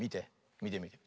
みてみて。